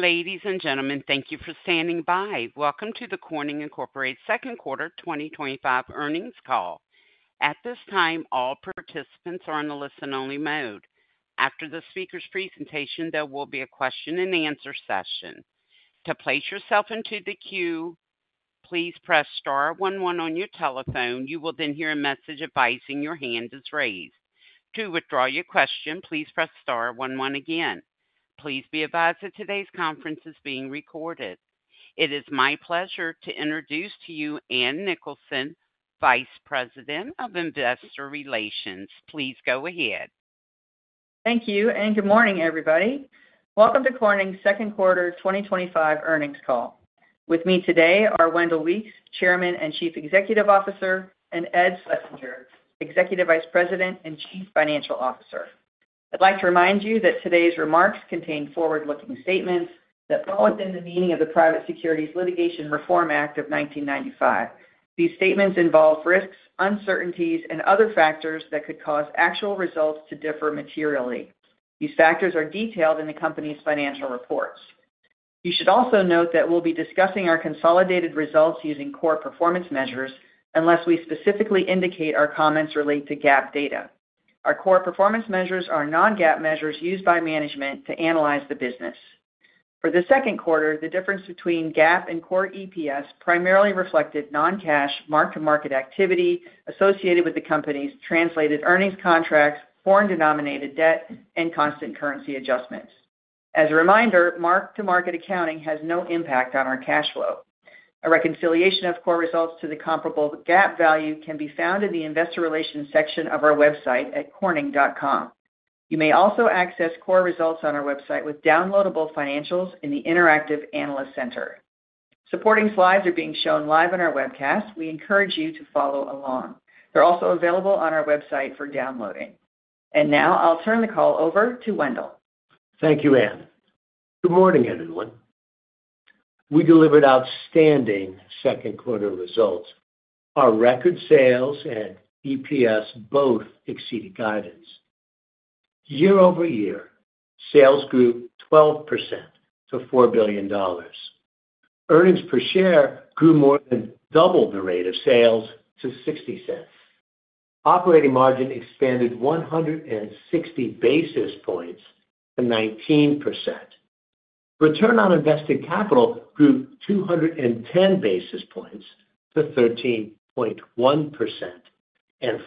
Ladies and gentlemen, thank you for standing by. Welcome to the Corning Incorporated Second Quarter 2025 Earnings Call. At this time, all participants are in the listen-only mode. After the speaker's presentation, there will be a question-and-answer session. To place yourself into the queue, please press star one one on your telephone. You will then hear a message advising your hand is raised. To withdraw your question, please press star one one again. Please be advised that today's conference is being recorded. It is my pleasure to introduce to you Ann Nicholson, Vice President of Investor Relations. Please go ahead. Thank you, and good morning, everybody. Welcome to Corning's Second Quarter 2025 Earnings Call. With me today are Wendell Weeks, Chairman and Chief Executive Officer, and Ed Schlesinger, Executive Vice President and Chief Financial Officer. I'd like to remind you that today's remarks contain forward-looking statements that fall within the meaning of the Private Securities Litigation Reform Act of 1995. These statements involve risks, uncertainties, and other factors that could cause actual results to differ materially. These factors are detailed in the company's financial reports. You should also note that we'll be discussing our consolidated results using core performance measures unless we specifically indicate our comments relate to GAAP data. Our core performance measures are non-GAAP measures used by management to analyze the business. For the second quarter, the difference between GAAP and core EPS primarily reflected non-cash mark-to-market activity associated with the company's translated earnings contracts, foreign-denominated debt, and constant currency adjustments. As a reminder, mark-to-market accounting has no impact on our cash flow. A reconciliation of core results to the comparable GAAP value can be found in the Investor Relations section of our website at corning.com. You may also access core results on our website with downloadable financials in the Interactive Analyst Center. Supporting slides are being shown live on our webcast. We encourage you to follow along. They are also available on our website for downloading. Now I'll turn the call over to Wendell. Thank you, Ann. Good morning, everyone. We delivered outstanding second-quarter results. Our record sales and EPS both exceeded guidance. Year-over-year, sales grew 12% to $4 billion. Earnings per share grew more than double the rate of sales to $0.60. Operating margin expanded 160 basis points to 19%. Return on invested capital grew 210 basis points to 13.1%.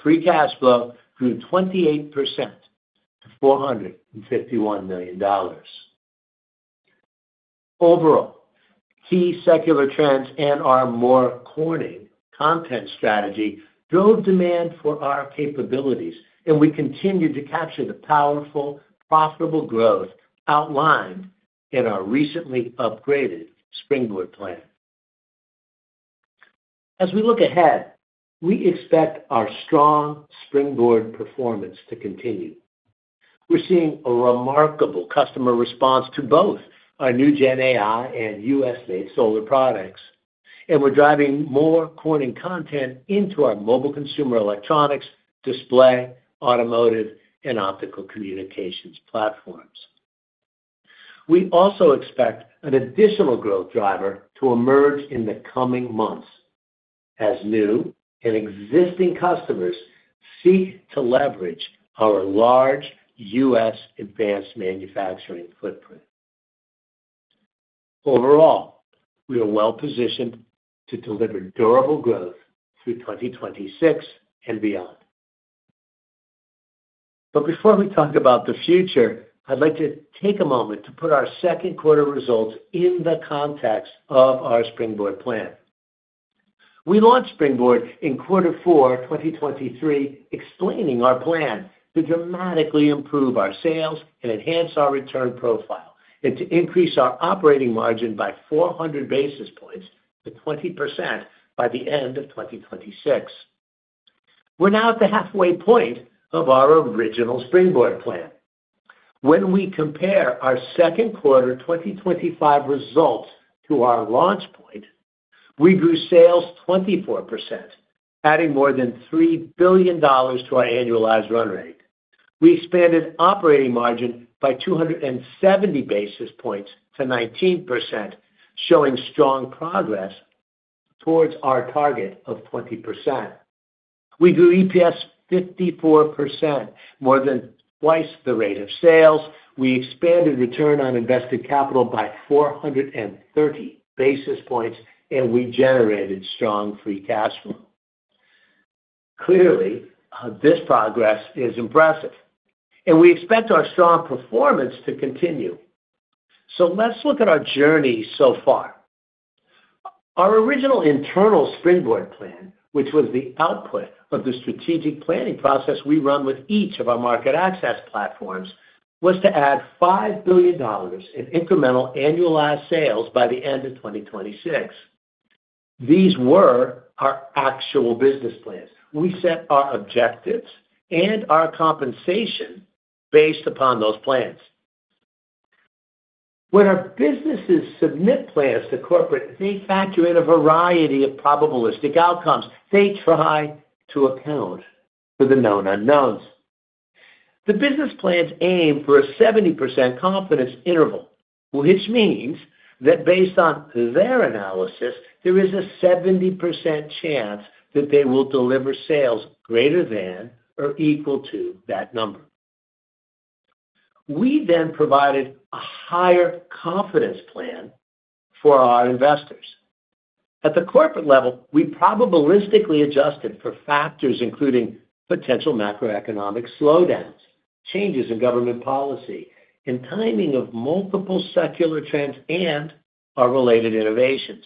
Free cash flow grew 28% to $451 million. Overall, key secular trends and our more Corning content strategy drove demand for our capabilities, and we continue to capture the powerful, profitable growth outlined in our recently upgraded Springboard plan. As we look ahead, we expect our strong Springboard performance to continue. We're seeing a remarkable customer response to both our new GenAI and U.S.-made solar products, and we're driving more Corning content into our mobile consumer electronics, display, automotive, and optical communications platforms. We also expect an additional growth driver to emerge in the coming months as new and existing customers seek to leverage our large U.S. advanced manufacturing footprint. Overall, we are well positioned to deliver durable growth through 2026 and beyond. Before we talk about the future, I'd like to take a moment to put our second-quarter results in the context of our Springboard plan. We launched Springboard in quarter four, 2023, explaining our plan to dramatically improve our sales and enhance our return profile and to increase our operating margin by 400 basis points to 20% by the end of 2026. We're now at the halfway point of our original Springboard plan. When we compare our second quarter 2025 results to our launch point, we grew sales 24%, adding more than $3 billion to our annualized run rate. We expanded operating margin by 270 basis points to 19%, showing strong progress towards our target of 20%. We grew EPS 54%, more than twice the rate of sales. We expanded return on invested capital by 430 basis points, and we generated strong free cash flow. Clearly, this progress is impressive, and we expect our strong performance to continue. Let's look at our journey so far. Our original internal Springboard plan, which was the output of the strategic planning process we run with each of our market access platforms, was to add $5 billion in incremental annualized sales by the end of 2026. These were our actual business plans. We set our objectives and our compensation based upon those plans. When our businesses submit plans to corporate, they factor in a variety of probabilistic outcomes. They try to account for the known unknowns. The business plans aim for a 70% confidence interval, which means that based on their analysis, there is a 70% chance that they will deliver sales greater than or equal to that number. We then provided a higher confidence plan for our investors. At the corporate level, we probabilistically adjusted for factors including potential macroeconomic slowdowns, changes in government policy, and timing of multiple secular trends and our related innovations.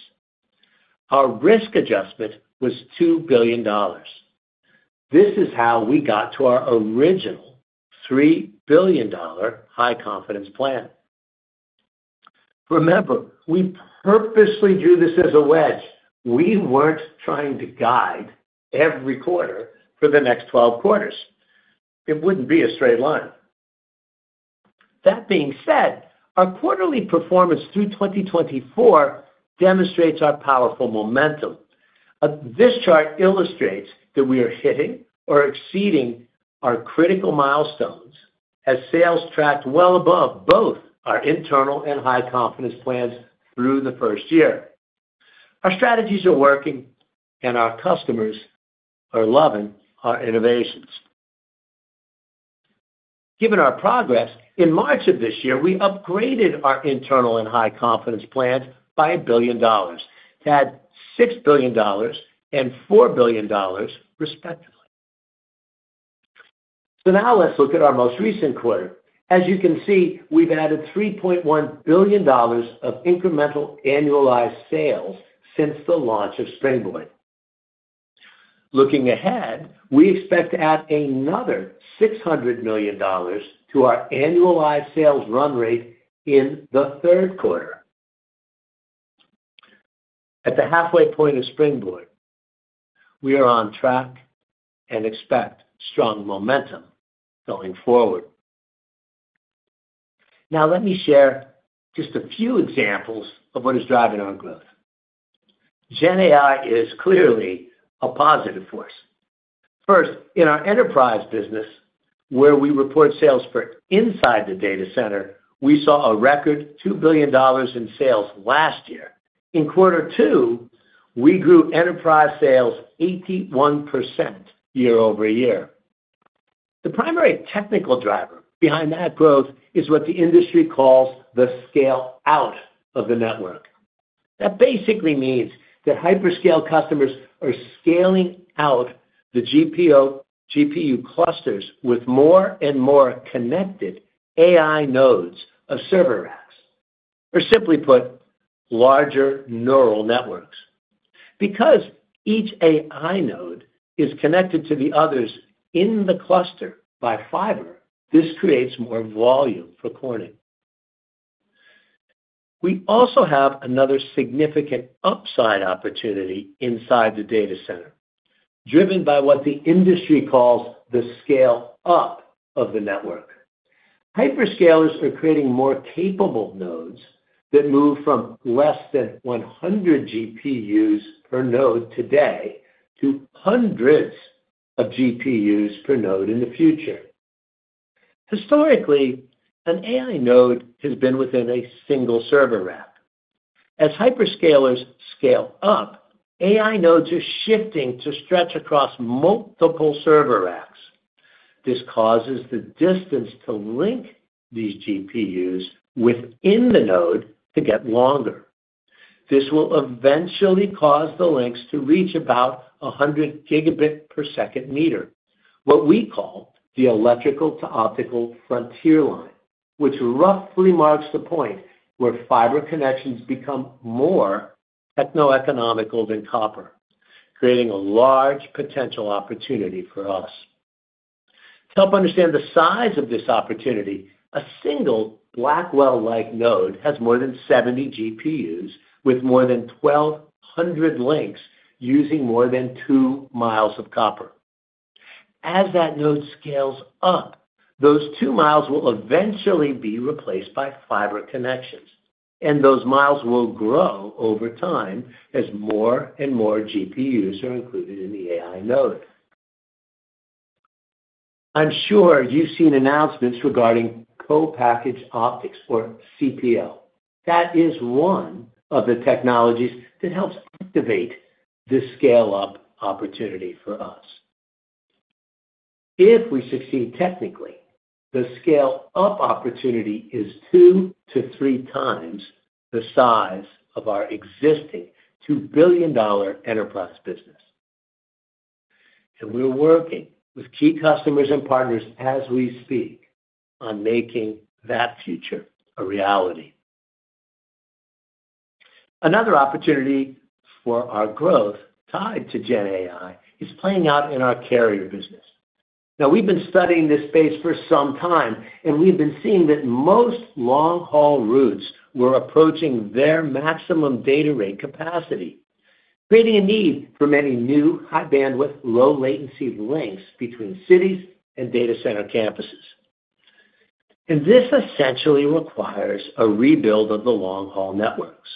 Our risk adjustment was $2 billion. This is how we got to our original $3 billion high confidence plan. Remember, we purposely drew this as a wedge. We were not trying to guide every quarter for the next 12 quarters. It would not be a straight line. That being said, our quarterly performance through 2024 demonstrates our powerful momentum. This chart illustrates that we are hitting or exceeding our critical milestones as sales tracked well above both our internal and high confidence plans through the first year. Our strategies are working, and our customers are loving our innovations. Given our progress, in March of this year, we upgraded our internal and high confidence plans by $1 billion, adding $6 billion and $4 billion respectively. Now let's look at our most recent quarter. As you can see, we have added $3.1 billion of incremental annualized sales since the launch of Springboard. Looking ahead, we expect to add another $600 million to our annualized sales run rate in the third quarter. At the halfway point of Springboard, we are on track and expect strong momentum going forward. Now let me share just a few examples of what is driving our growth. GenAI is clearly a positive force. First, in our enterprise business. Where we report sales for inside the data center, we saw a record $2 billion in sales last year. In Quarter 2, we grew enterprise sales 81% year-over-year. The primary technical driver behind that growth is what the industry calls the scale-out of the network. That basically means that hyperscale customers are scaling out the GPU clusters with more and more connected AI nodes of server racks, or simply put, larger neural networks. Because each AI node is connected to the others in the cluster by fiber, this creates more volume for Corning. We also have another significant upside opportunity inside the data center, driven by what the industry calls the scale-up of the network. Hyperscalers are creating more capable nodes that move from less than 100 GPUs per node today to hundreds of GPUs per node in the future. Historically, an AI node has been within a single server rack. As hyperscalers scale up, AI nodes are shifting to stretch across multiple server racks. This causes the distance to link these GPUs within the node to get longer. This will eventually cause the links to reach about 100 Gbps/m, what we call the electrical to optical frontier line, which roughly marks the point where fiber connections become more techno-economical than copper, creating a large potential opportunity for us. To help understand the size of this opportunity, a single Blackwell-like node has more than 70 GPUs with more than 1,200 links using more than two miles of copper. As that node scales up, those two miles will eventually be replaced by fiber connections, and those miles will grow over time as more and more GPUs are included in the AI node. I'm sure you've seen announcements regarding Co-Packaged Optics, or CPO. That is one of the technologies that helps activate this scale-up opportunity for us. If we succeed technically, the scale-up opportunity is two to three times the size of our existing $2 billion enterprise business. And we're working with key customers and partners as we speak on making that future a reality. Another opportunity for our growth tied to GenAI is playing out in our carrier business. Now, we've been studying this space for some time, and we've been seeing that most long-haul routes were approaching their maximum data rate capacity, creating a need for many new high-bandwidth, low-latency links between cities and data center campuses. This essentially requires a rebuild of the long-haul networks.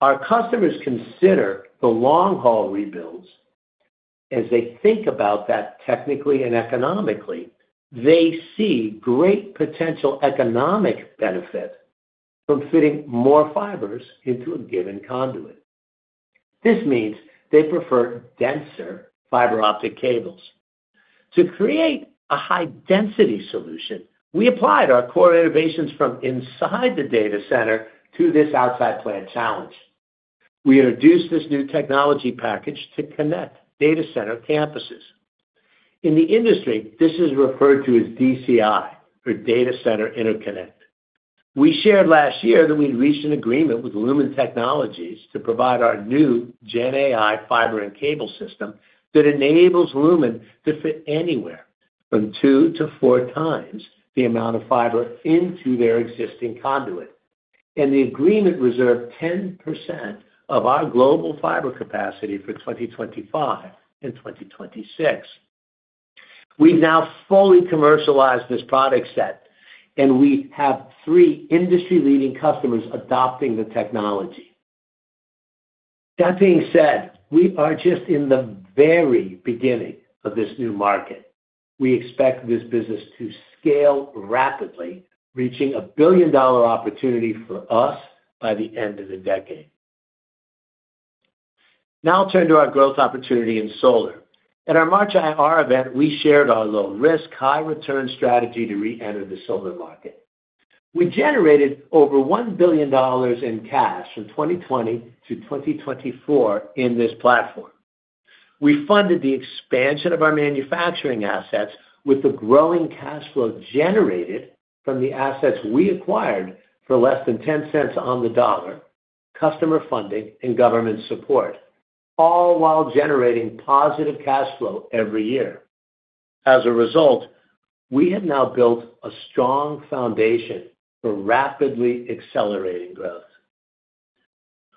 Our customers consider the long-haul rebuilds. As they think about that technically and economically, they see great potential economic benefit from fitting more fibers into a given conduit. This means they prefer denser fiber optic cables. To create a high-density solution, we applied our core innovations from inside the data center to this outside plan challenge. We introduced this new technology package to connect data center campuses. In the industry, this is referred to as DCI, or Data Center Interconnect. We shared last year that we'd reached an agreement with Lumen Technologies to provide our new GenAI fiber and cable system that enables Lumen to fit anywhere from two to four times the amount of fiber into their existing conduit. The agreement reserved 10% of our global fiber capacity for 2025 and 2026. We've now fully commercialized this product set, and we have three industry-leading customers adopting the technology. That being said, we are just in the very beginning of this new market. We expect this business to scale rapidly, reaching a billion-dollar opportunity for us by the end of the decade. Now I'll turn to our growth opportunity in solar. At our March IR event, we shared our low-risk, high-return strategy to re-enter the solar market. We generated over $1 billion in cash from 2020 to 2024 in this platform. We funded the expansion of our manufacturing assets with the growing cash flow generated from the assets we acquired for less than $0.10 on the dollar, customer funding, and government support. All while generating positive cash flow every year. As a result, we have now built a strong foundation for rapidly accelerating growth.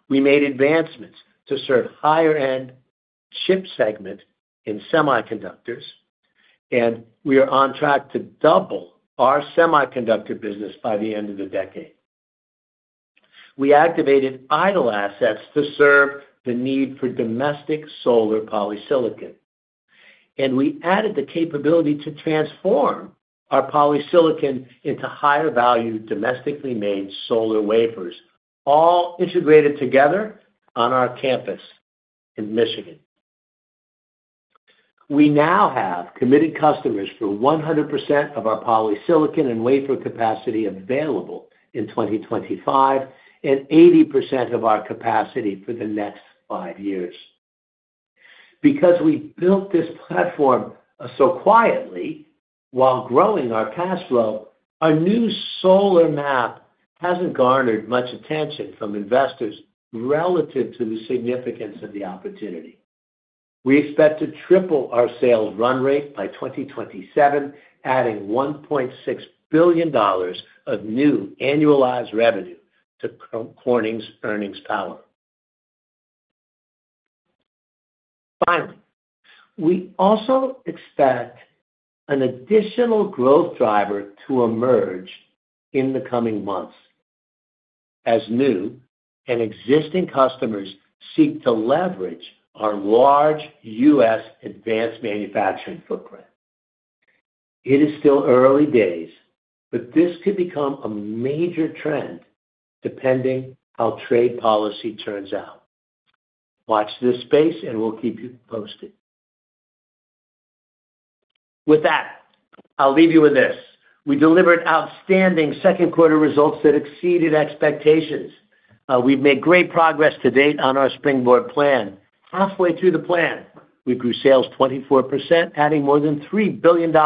We made advancements to serve higher-end chip segment in semiconductors, and we are on track to double our semiconductor business by the end of the decade. We activated idle assets to serve the need for domestic solar polysilicon. We added the capability to transform our polysilicon into higher-value domestically made solar wafers, all integrated together on our campus in Michigan. We now have committed customers for 100% of our polysilicon and wafer capacity available in 2025 and 80% of our capacity for the next five years. Because we built this platform so quietly while growing our cash flow, our new solar map hasn't garnered much attention from investors relative to the significance of the opportunity. We expect to triple our sales run rate by 2027, adding $1.6 billion of new annualized revenue to Corning's earnings power. Finally, we also expect an additional growth driver to emerge in the coming months as new and existing customers seek to leverage our large U.S. advanced manufacturing footprint. It is still early days, but this could become a major trend depending on how trade policy turns out. Watch this space, and we'll keep you posted. With that, I'll leave you with this. We delivered outstanding second-quarter results that exceeded expectations. We've made great progress to date on our Springboard plan. Halfway through the plan, we grew sales 24%, adding more than $3 billion to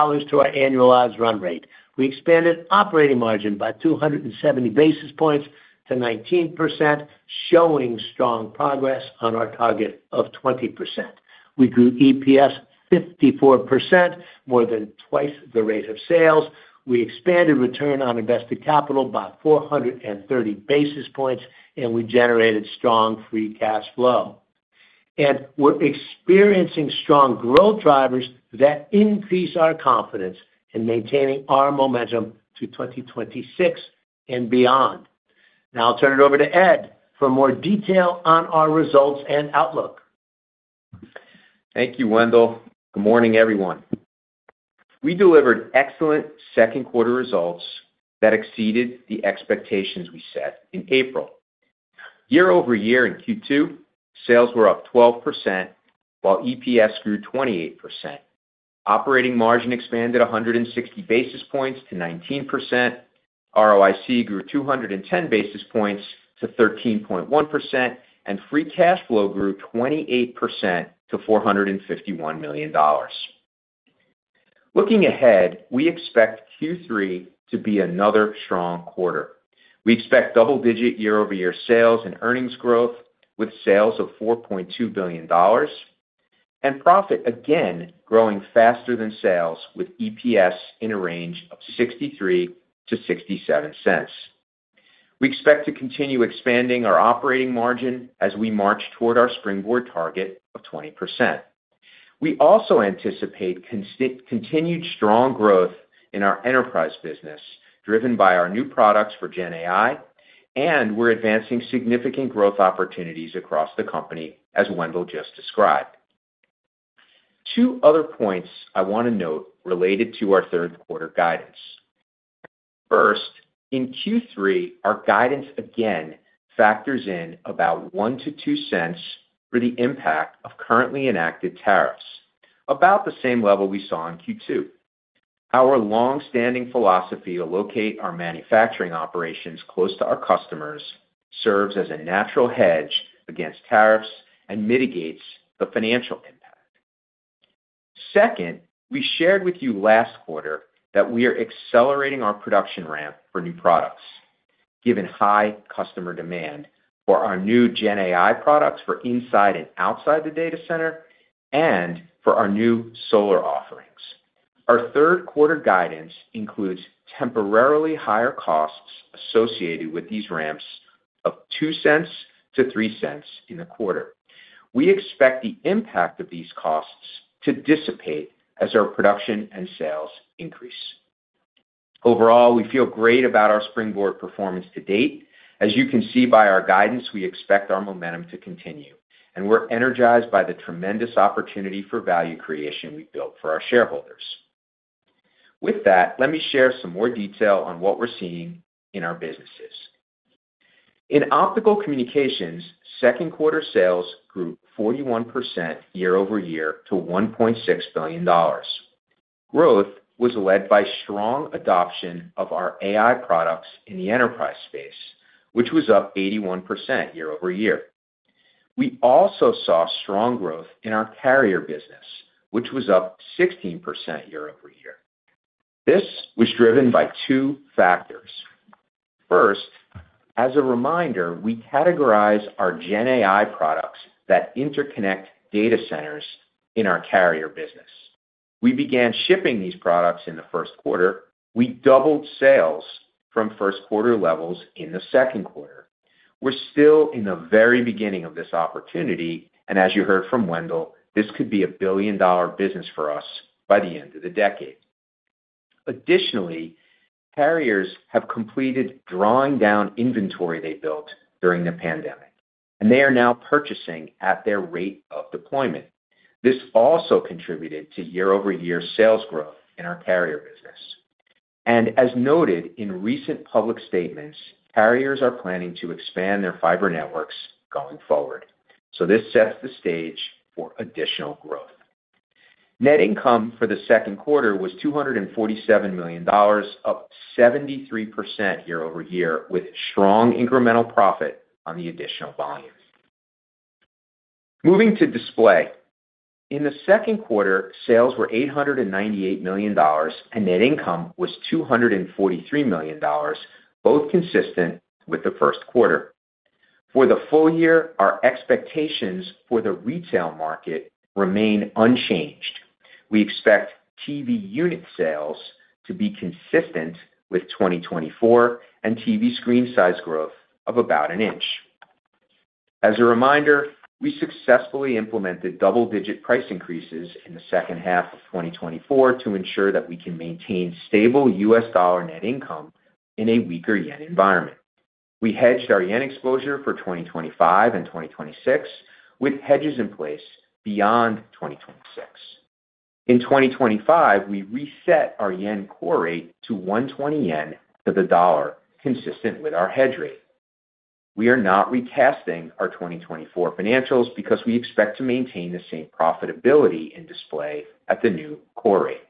our annualized run rate. We expanded operating margin by 270 basis points to 19%, showing strong progress on our target of 20%. We grew EPS 54%, more than twice the rate of sales. We expanded return on invested capital by 430 basis points, and we generated strong free cash flow. We're experiencing strong growth drivers that increase our confidence in maintaining our momentum to 2026 and beyond. Now I'll turn it over to Ed for more detail on our results and outlook. Thank you, Wendell. Good morning, everyone. We delivered excellent second-quarter results that exceeded the expectations we set in April. Year-over-year, in Q2, sales were up 12%, while EPS grew 28%. Operating margin expanded 160 basis points to 19%. ROIC grew 210 basis points to 13.1%, and free cash flow grew 28% to $451 million. Looking ahead, we expect Q3 to be another strong quarter. We expect double-digit year-over-year sales and earnings growth, with sales of $4.2 billion. Profit again growing faster than sales, with EPS in a range of $0.63-$0.67. We expect to continue expanding our operating margin as we march toward our Springboard target of 20%. We also anticipate continued strong growth in our enterprise business, driven by our new products for GenAI, and we're advancing significant growth opportunities across the company, as Wendell just described. Two other points I want to note related to our third-quarter guidance. First, in Q3, our guidance again factors in about $0.01-$0.02 for the impact of currently enacted tariffs, about the same level we saw in Q2. Our long-standing philosophy to locate our manufacturing operations close to our customers serves as a natural hedge against tariffs and mitigates the financial impact. Second, we shared with you last quarter that we are accelerating our production ramp for new products, given high customer demand for our new GenAI products for inside and outside the data center and for our new solar offerings. Our third-quarter guidance includes temporarily higher costs associated with these ramps of $0.02-$0.03 in the quarter. We expect the impact of these costs to dissipate as our production and sales increase. Overall, we feel great about our Springboard performance to date. As you can see by our guidance, we expect our momentum to continue. We're energized by the tremendous opportunity for value creation we've built for our shareholders. With that, let me share some more detail on what we're seeing in our businesses. In optical communications, second-quarter sales grew 41% year-over-year to $1.6 billion. Growth was led by strong adoption of our AI products in the enterprise space, which was up 81% year-over-year. We also saw strong growth in our carrier business, which was up 16% year-over-year. This was driven by two factors. First, as a reminder, we categorize our GenAI products that interconnect data centers in our carrier business. We began shipping these products in the first quarter. We doubled sales from first-quarter levels in the second quarter. We're still in the very beginning of this opportunity, and as you heard from Wendell, this could be a billion-dollar business for us by the end of the decade. Additionally, carriers have completed drawing down inventory they built during the pandemic, and they are now purchasing at their rate of deployment. This also contributed to year-over-year sales growth in our carrier business. As noted in recent public statements, carriers are planning to expand their fiber networks going forward. This sets the stage for additional growth. Net income for the second quarter was $247 million, up 73% year-over-year, with strong incremental profit on the additional volume. Moving to display. In the second quarter, sales were $898 million, and net income was $243 million, both consistent with the first quarter. For the full year, our expectations for the retail market remain unchanged. We expect TV unit sales to be consistent with 2024 and TV screen size growth of about an inch. As a reminder, we successfully implemented double-digit price increases in the second half of 2024 to ensure that we can maintain stable U.S. dollar net income in a weaker yen environment. We hedged our yen exposure for 2025 and 2026 with hedges in place beyond 2026. In 2025, we reset our yen core rate to 120 yen to the dollar, consistent with our hedge rate. We are not recasting our 2024 financials because we expect to maintain the same profitability in display at the new core rate.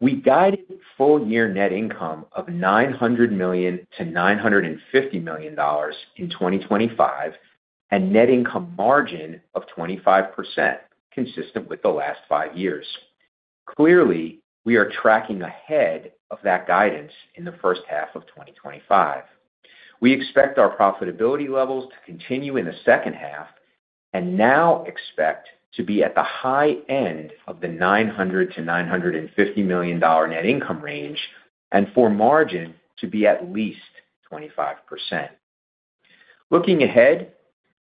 We guided full-year net income of $900 million-$950 million in 2025 and net income margin of 25%, consistent with the last five years. Clearly, we are tracking ahead of that guidance in the first half of 2025. We expect our profitability levels to continue in the second half and now expect to be at the high end of the $900-$950 million net income range and for margin to be at least 25%. Looking ahead,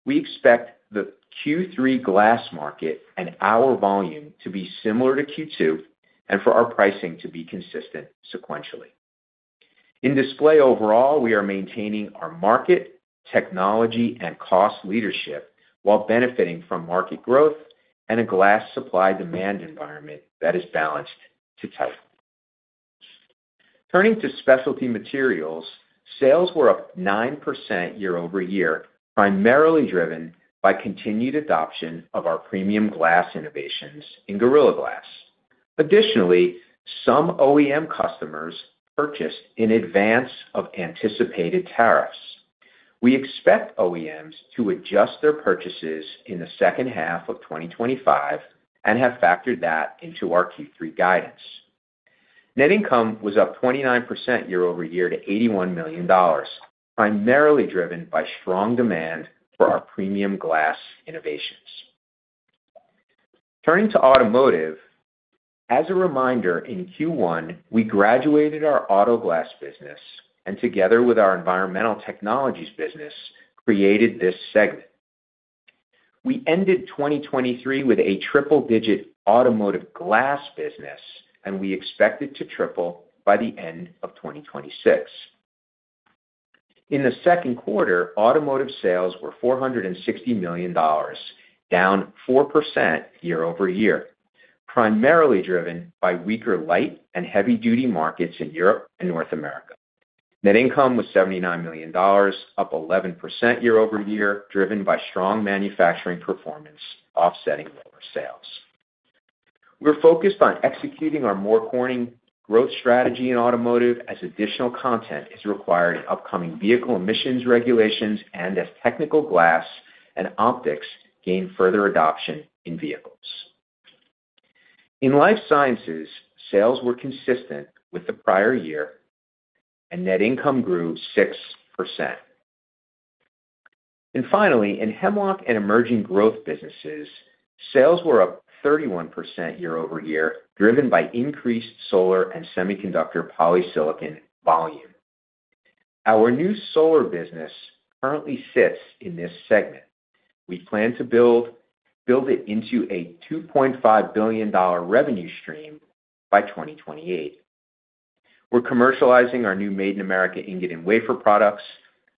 we expect the Q3 glass market and our volume to be similar to Q2 and for our pricing to be consistent sequentially. In display overall, we are maintaining our market, technology, and cost leadership while benefiting from market growth and a glass supply demand environment that is balanced to tight. Turning to specialty materials, sales were up 9% year-over-year, primarily driven by continued adoption of our premium glass innovations in Gorilla Glass. Additionally, some OEM customers purchased in advance of anticipated tariffs. We expect OEMs to adjust their purchases in the second half of 2025 and have factored that into our Q3 guidance. Net income was up 29% year-over-year to $81 million, primarily driven by strong demand for our premium glass innovations. Turning to automotive, as a reminder, in Q1, we graduated our automotive glass business and, together with our environmental technologies business, created this segment. We ended 2023 with a triple-digit automotive glass business, and we expect it to triple by the end of 2026. In the second quarter, automotive sales were $460 million, down 4% year-over-year, primarily driven by weaker light and heavy-duty markets in Europe and North America. Net income was $79 million, up 11% year-over-year, driven by strong manufacturing performance offsetting lower sales. We are focused on executing our more Corning growth strategy in automotive as additional content is required in upcoming vehicle emissions regulations and as technical glass and optics gain further adoption in vehicles. In life sciences, sales were consistent with the prior year, and net income grew 6%. Finally, in Hemlock and emerging growth businesses, sales were up 31% year-over-year, driven by increased solar and semiconductor polysilicon volume. Our new solar business currently sits in this segment. We plan to build it into a $2.5 billion revenue stream by 2028. We are commercializing our new made-in-America ingot and wafer products.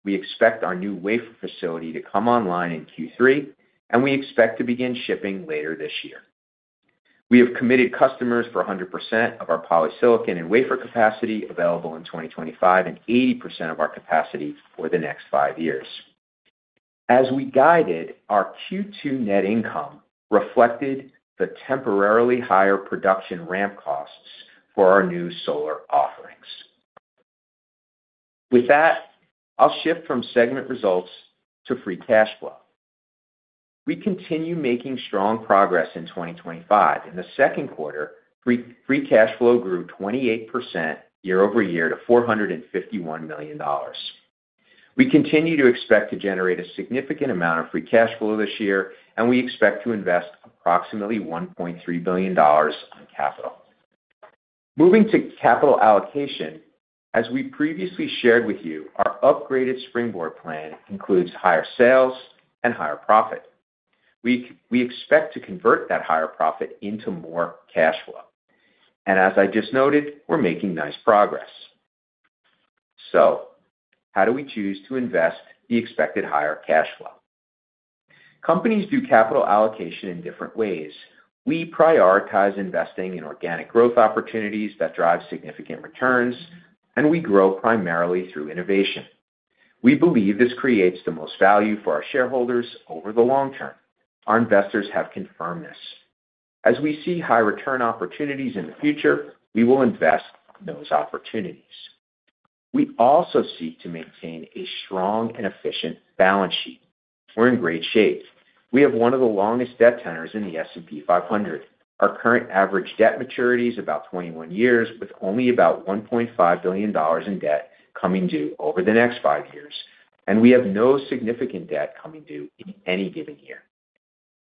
We expect our new wafer facility to come online in Q3, and we expect to begin shipping later this year. We have committed customers for 100% of our polysilicon and wafer capacity available in 2025 and 80% of our capacity for the next five years. As we guided, our Q2 net income reflected the temporarily higher production ramp costs for our new solar offerings. With that, I'll shift from segment results to free cash flow. We continue making strong progress in 2025. In the second quarter, free cash flow grew 28% year-over-year to $451 million. We continue to expect to generate a significant amount of free cash flow this year, and we expect to invest approximately $1.3 billion in capital. Moving to capital allocation, as we previously shared with you, our upgraded Springboard plan includes higher sales and higher profit. We expect to convert that higher profit into more cash flow. As I just noted, we're making nice progress. How do we choose to invest the expected higher cash flow? Companies do capital allocation in different ways. We prioritize investing in organic growth opportunities that drive significant returns, and we grow primarily through innovation. We believe this creates the most value for our shareholders over the long term. Our investors have confirmed this. As we see high return opportunities in the future, we will invest in those opportunities. We also seek to maintain a strong and efficient balance sheet. We're in great shape. We have one of the longest debt tenors in the S&P 500. Our current average debt maturity is about 21 years, with only about $1.5 billion in debt coming due over the next five years, and we have no significant debt coming due in any given year.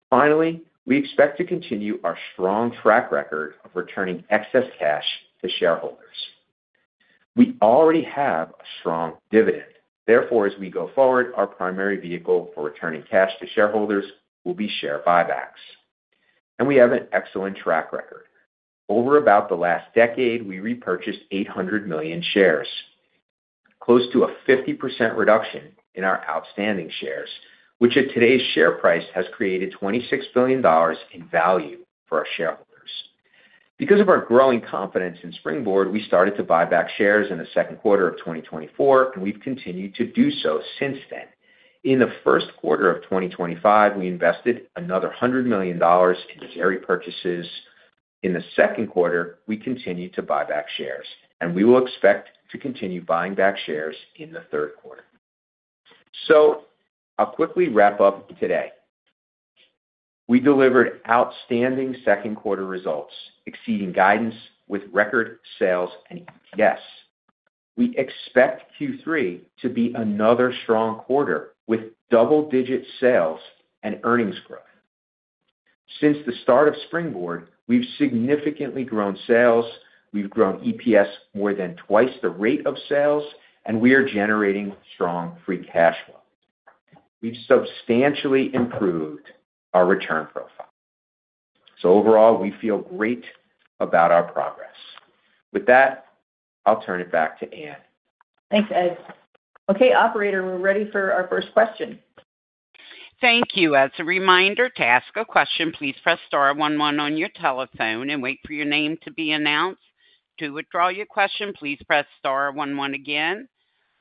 Finally, we expect to continue our strong track record of returning excess cash to shareholders. We already have a strong dividend. Therefore, as we go forward, our primary vehicle for returning cash to shareholders will be share buybacks. We have an excellent track record. Over about the last decade, we repurchased 800 million shares. Close to a 50% reduction in our outstanding shares, which at today's share price has created $26 billion in value for our shareholders. Because of our growing confidence in Springboard, we started to buy back shares in the second quarter of 2024, and we've continued to do so since then. In the first quarter of 2025, we invested another $100 million in share repurchases. In the second quarter, we continued to buy back shares, and we will expect to continue buying back shares in the third quarter. I'll quickly wrap up today. We delivered outstanding second-quarter results, exceeding guidance with record sales and EPS. We expect Q3 to be another strong quarter with double-digit sales and earnings growth. Since the start of Springboard, we have significantly grown sales. We have grown EPS more than twice the rate of sales, and we are generating strong free cash flow. We have substantially improved our return profile. Overall, we feel great about our progress. With that, I will turn it back to Ann. Thanks, Ed. Okay, operator, we are ready for our first question. Thank you. As a reminder, to ask a question, please press star one one on your telephone and wait for your name to be announced. To withdraw your question, please press star one one again.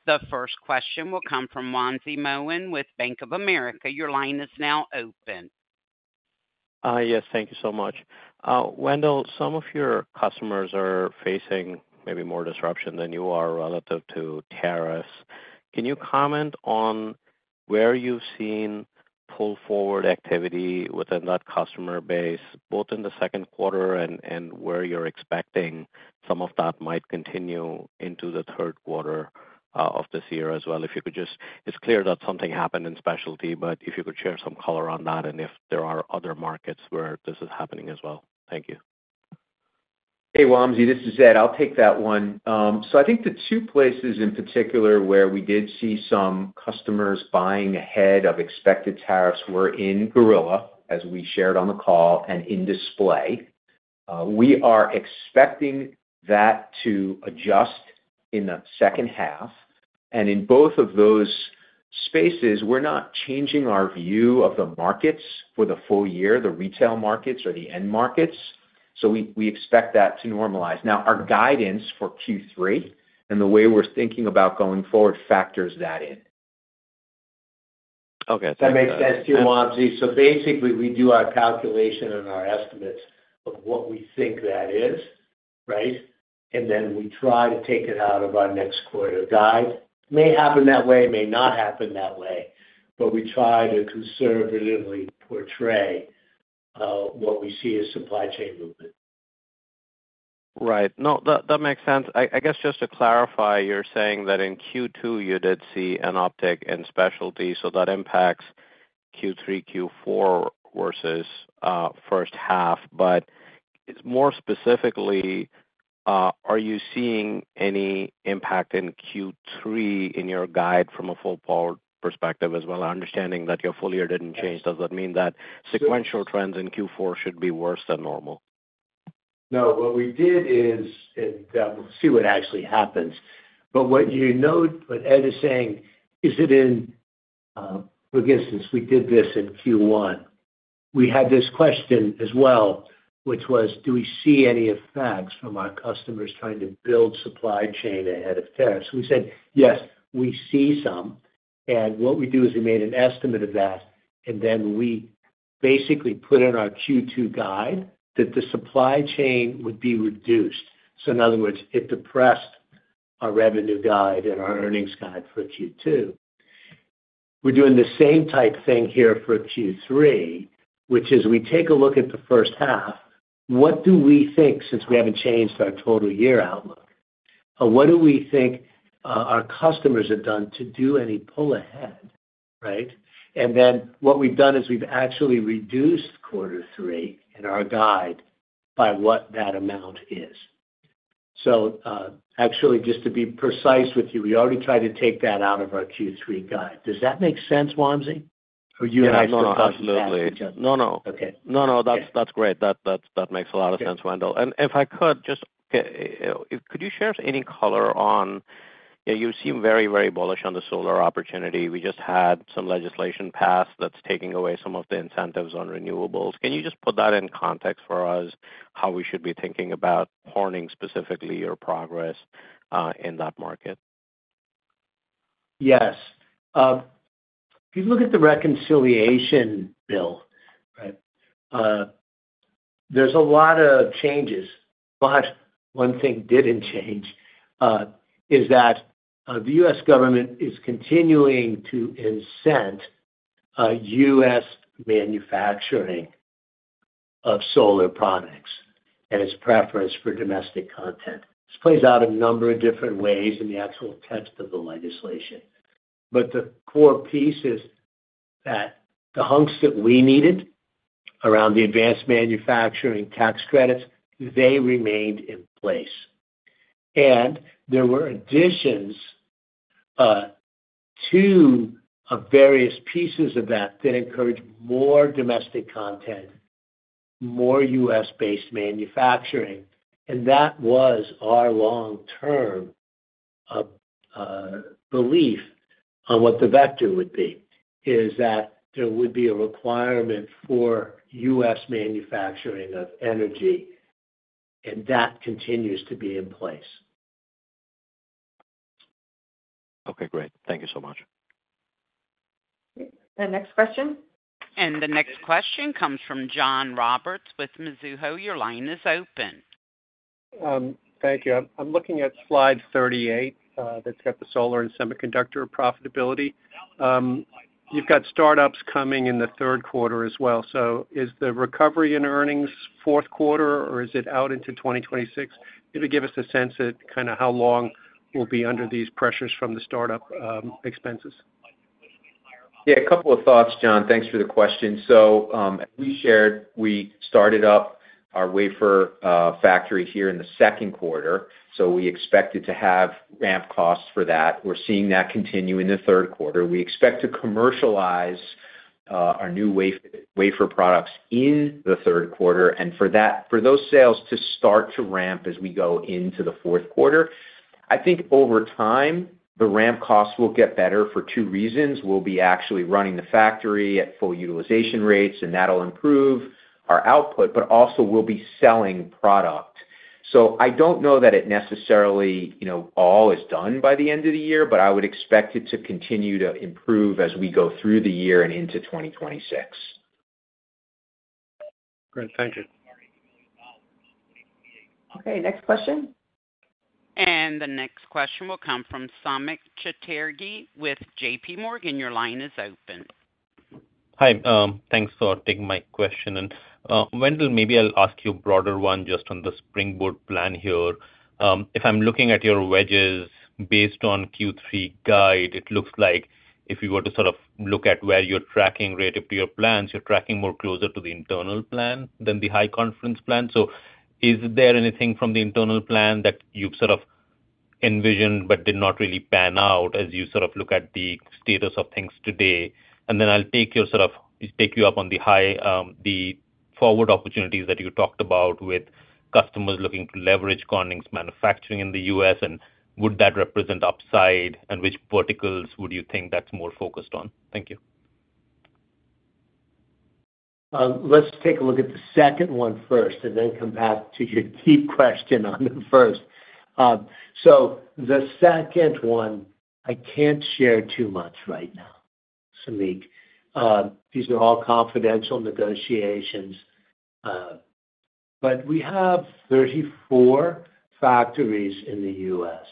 The first question will come from Wamsi Mohan with Bank of America. Your line is now open. Yes, thank you so much. Wendell, some of your customers are facing maybe more disruption than you are relative to tariffs. Can you comment on where you have seen pull-forward activity within that customer base, both in the second quarter and where you are expecting some of that might continue into the third quarter of this year as well? If you could just—it is clear that something happened in specialty, but if you could share some color on that and if there are other markets where this is happening as well. Thank you. Hey, Wamsi, this is Ed. I will take that one. I think the two places in particular where we did see some customers buying ahead of expected tariffs were in Gorilla, as we shared on the call, and in display. We are expecting that to adjust in the second half. In both of those spaces, we are not changing our view of the markets for the full year, the retail markets or the end markets. We expect that to normalize. Our guidance for Q3 and the way we are thinking about going forward factors that in. Okay. That makes sense too, Wamsi. Basically, we do our calculation and our estimates of what we think that is, right? Then we try to take it out of our next quarter guide. It may happen that way, may not happen that way, but we try to conservatively portray what we see as supply chain movement. Right. No, that makes sense. I guess just to clarify, you are saying that in Q2 you did see an uptick in specialty, so that impacts Q3, Q4 versus first half. More specifically, are you seeing any impact in Q3 in your guide from a pull-forward perspective as well? Understanding that your full year did not change, does that mean that sequential trends in Q4 should be worse than normal? No, what we did is—we will see what actually happens. But what you note, what Ed is saying, is it in— For instance, we did this in Q1. We had this question as well, which was, do we see any effects from our customers trying to build supply chain ahead of tariffs? We said, yes, we see some. And what we do is we made an estimate of that, and then we basically put in our Q2 guide that the supply chain would be reduced. In other words, it depressed our revenue guide and our earnings guide for Q2. We're doing the same type thing here for Q3, which is we take a look at the first half. What do we think, since we haven't changed our total year outlook, what do we think our customers have done to do any pull ahead, right? And then what we've done is we've actually reduced quarter three in our guide by what that amount is. Actually, just to be precise with you, we already tried to take that out of our Q3 guide. Does that make sense, Wamsi? Or do you have extra thoughts? No, no. That's great. That makes a lot of sense, Wendell. And if I could, just. Could you share any color on— You seem very, very bullish on the solar opportunity. We just had some legislation passed that's taking away some of the incentives on renewables. Can you just put that in context for us, how we should be thinking about Corning specifically or progress in that market? Yes. If you look at the reconciliation bill. There's a lot of changes. One thing that did not change is that the U.S. government is continuing to incent U.S. manufacturing of solar products and its preference for domestic content. This plays out a number of different ways in the actual text of the legislation. The core piece is that the hunks that we needed around the advanced manufacturing tax credits, they remained in place. There were additions to various pieces of that that encouraged more domestic content, more U.S.-based manufacturing. That was our long-term belief on what the vector would be, is that there would be a requirement for U.S. manufacturing of energy. That continues to be in place. Okay, great. Thank you so much. Okay. The next question? The next question comes from John Roberts with Mizuho. Your line is open. Thank you. I'm looking at slide 38 that's got the solar and semiconductor profitability. You've got startups coming in the third quarter as well. Is the recovery in earnings fourth quarter, or is it out into 2026? Maybe give us a sense of kind of how long we'll be under these pressures from the startup expenses. Yeah, a couple of thoughts, John. Thanks for the question. As we shared, we started up our wafer factory here in the second quarter. We expected to have ramp costs for that. We're seeing that continue in the third quarter. We expect to commercialize our new wafer products in the third quarter and for those sales to start to ramp as we go into the fourth quarter. I think over time, the ramp costs will get better for two reasons. We'll be actually running the factory at full utilization rates, and that'll improve our output, but also we'll be selling product. I don't know that it necessarily all is done by the end of the year, but I would expect it to continue to improve as we go through the year and into 2026. Great. Thank you. Okay. Next question. The next question will come from Samik Chatterjee with JPMorgan. Your line is open. Hi. Thanks for taking my question. Wendell, maybe I'll ask you a broader one just on the Springboard plan here. If I'm looking at your wedges based on Q3 guide, it looks like if you were to sort of look at where you're tracking relative to your plans, you're tracking more closer to the internal plan than the high-conference plan. Is there anything from the internal plan that you've sort of envisioned but did not really pan out as you sort of look at the status of things today? I'll take you up on the forward opportunities that you talked about with customers looking to leverage Corning's manufacturing in the U.S., and would that represent upside? Which verticals would you think that's more focused on? Thank you. Let's take a look at the second one first and then come back to your key question on the first. The second one, I can't share too much right now, Samik. These are all confidential negotiations. We have 34 factories in the U.S.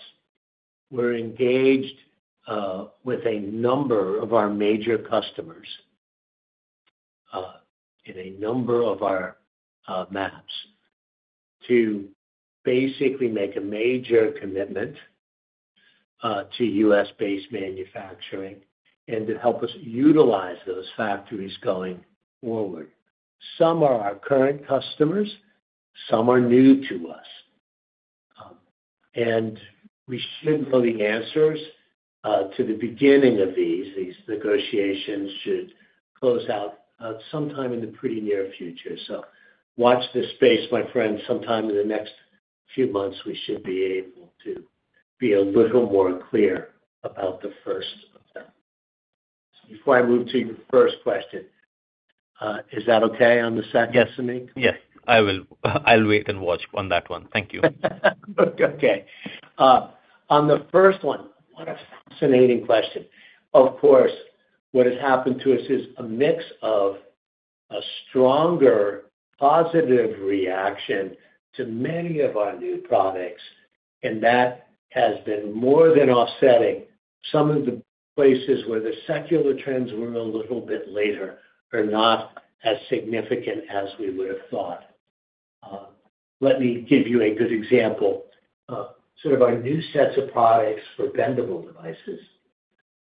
We're engaged with a number of our major customers in a number of our maps to basically make a major commitment to U.S.-based manufacturing and to help us utilize those factories going forward. Some are our current customers. Some are new to us. We should know the answers to the beginning of these. These negotiations should close out sometime in the pretty near future. Watch this space, my friend. Sometime in the next few months, we should be able to be a little more clear about the first of them. Before I move to your first question. Is that okay on the second, Samik? Yes. I'll wait and watch on that one. Thank you. Okay. On the first one, what a fascinating question. Of course, what has happened to us is a mix of a stronger positive reaction to many of our new products, and that has been more than offsetting some of the places where the secular trends were a little bit later or not as significant as we would have thought. Let me give you a good example. Sort of our new sets of products for bendable devices.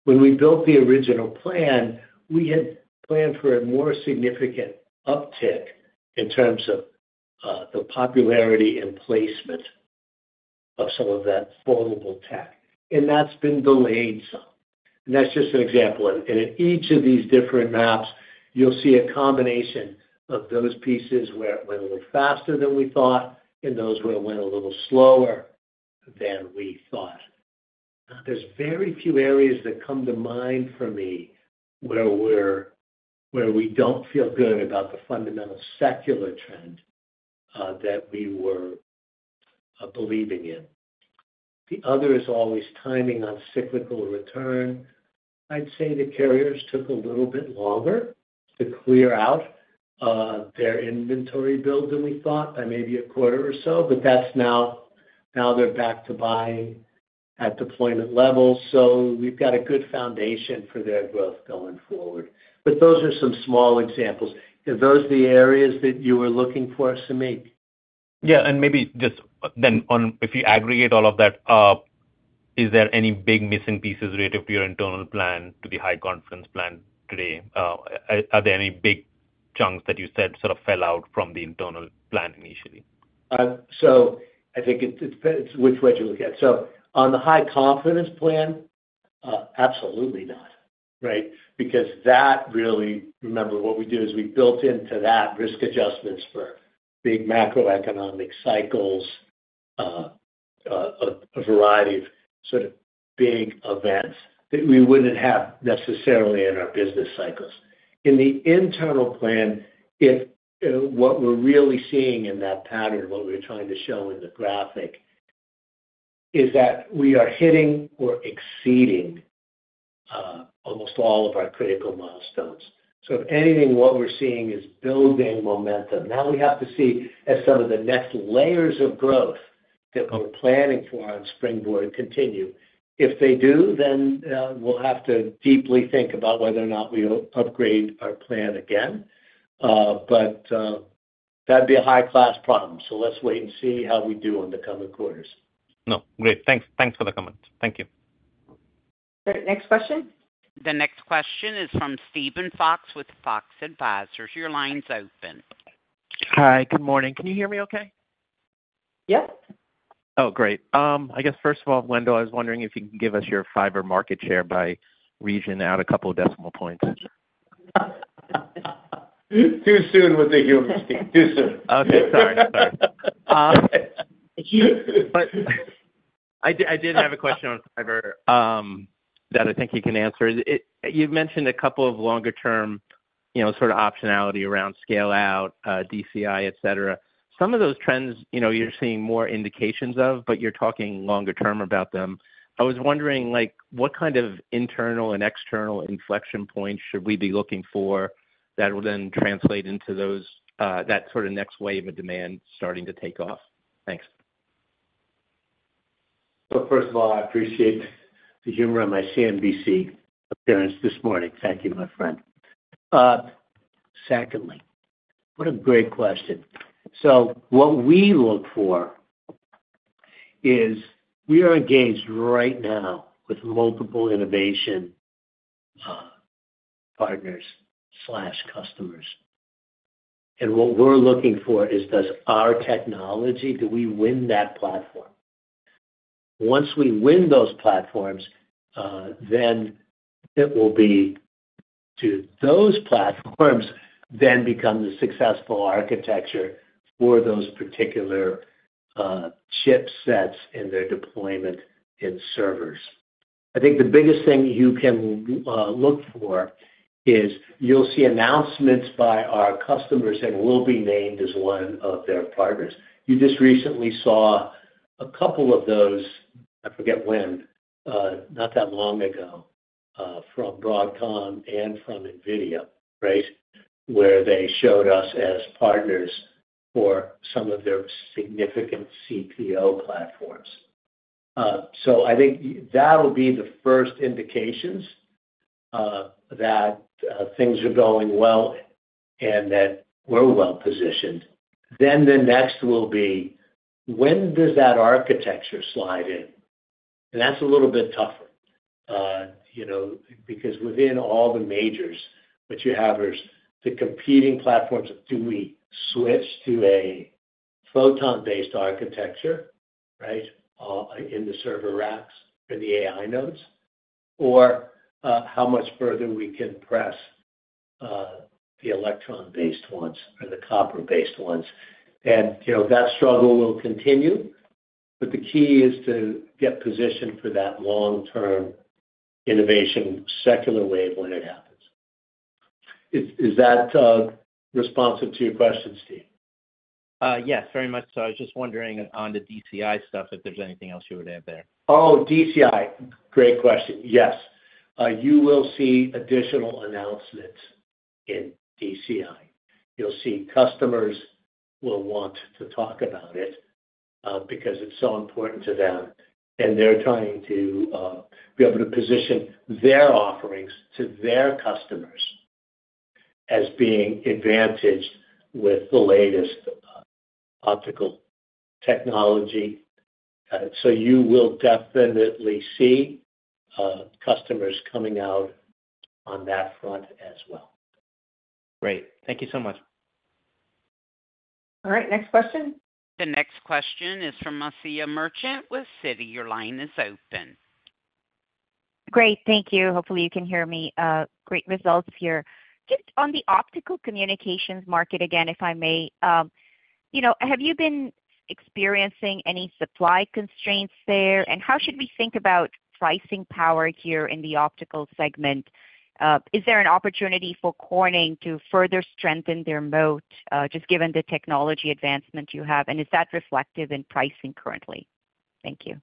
When we built the original plan, we had planned for a more significant uptick in terms of the popularity and placement of some of that foldable tech. And that's been delayed some. That's just an example. In each of these different maps, you'll see a combination of those pieces where it went a little faster than we thought and those where it went a little slower than we thought. There are very few areas that come to mind for me where we do not feel good about the fundamental secular trend that we were believing in. The other is always timing on cyclical return. I'd say the carriers took a little bit longer to clear out their inventory build than we thought by maybe a quarter or so, but that's now. They're back to buying at deployment level. We've got a good foundation for their growth going forward. Those are some small examples. Are those the areas that you were looking for, Samik? Yeah. Maybe just then if you aggregate all of that. Is there any big missing pieces relative to your internal plan to the high-conference plan today? Are there any big chunks that you said sort of fell out from the internal plan initially? I think it's which way do you look at it. On the high-conference plan, absolutely not, right? That really—remember, what we did is we built into that risk adjustments for big macroeconomic cycles, a variety of sort of big events that we would not have necessarily in our business cycles. In the internal plan, what we're really seeing in that pattern, what we're trying to show in the graphic, is that we are hitting or exceeding almost all of our critical milestones. If anything, what we're seeing is building momentum. Now we have to see if some of the next layers of growth that we're planning for on Springboard continue. If they do, then we'll have to deeply think about whether or not we upgrade our plan again. That would be a high-class problem. Let's wait and see how we do in the coming quarters. No. Great. Thanks for the comment. Thank you. Great. Next question. The next question is from Steven Fox with Fox Advisors. Your line's open. Hi. Good morning. Can you hear me okay? Yep. Oh, great. I guess first of all, Wendell, I was wondering if you can give us your fiber market share by region out a couple of decimal points. Too soon with the human speak. Too soon. Okay. Sorry. Sorry. I did have a question on fiber that I think you can answer. You've mentioned a couple of longer-term sort of optionality around scale-out, DCI, et cetera. Some of those trends you're seeing more indications of, but you're talking longer-term about them. I was wondering what kind of internal and external inflection points should we be looking for that will then translate into that sort of next wave of demand starting to take off? Thanks. First of all, I appreciate the humor on my CNBC appearance this morning. Thank you, my friend. Secondly, what a great question. What we look for is we are engaged right now with multiple innovation partners/customers. What we're looking for is, does our technology—do we win that platform? Once we win those platforms, then it will be, do those platforms then become the successful architecture for those particular chipsets and their deployment in servers? I think the biggest thing you can look for is you'll see announcements by our customers that will be named as one of their partners. You just recently saw a couple of those—I forget when—not that long ago from Broadcom and from NVIDIA, right, where they showed us as partners for some of their significant CPO platforms. I think that'll be the first indications that things are going well and that we're well-positioned. The next will be, when does that architecture slide in? That's a little bit tougher because within all the majors, what you have are the competing platforms, do we switch to a photon-based architecture, right, in the server racks for the AI nodes, or how much further we can press the electron-based ones or the copper-based ones? That struggle will continue. The key is to get positioned for that long-term innovation secular wave when it happens. Is that responsive to your question, Steve? Yes, very much so. I was just wondering on the DCI stuff if there's anything else you would add there. Oh, DCI. Great question. Yes. You will see additional announcements in DCI. You'll see customers will want to talk about it because it's so important to them. They're trying to be able to position their offerings to their customers as being advantaged with the latest optical technology. You will definitely see customers coming out on that front as well. Great. Thank you so much. All right. Next question. The next question is from Asiya Merchant with Citi. Your line is open. Great. Thank you. Hopefully, you can hear me. Great results here. Just on the optical communications market, again, if I may. Have you been experiencing any supply constraints there? How should we think about pricing power here in the optical segment? Is there an opportunity for Corning to further strengthen their moat just given the technology advancement you have? Is that reflective in pricing currently? Thank you.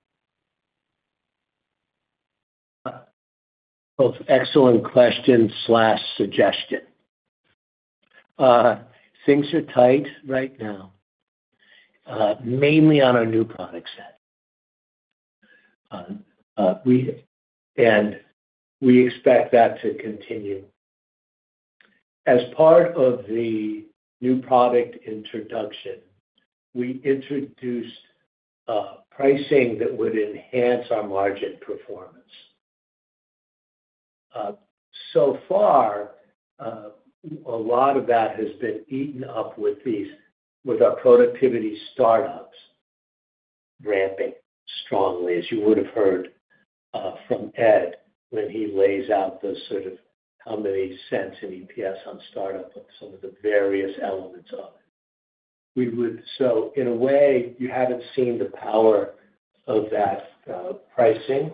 Excellent question/suggestion. Things are tight right now, mainly on our new product set, and we expect that to continue. As part of the new product introduction, we introduced pricing that would enhance our margin performance. So far, a lot of that has been eaten up with our productivity startups ramping strongly, as you would have heard from Ed when he lays out the sort of how many cents in EPS on startup of some of the various elements of it. In a way, you haven't seen the power of that pricing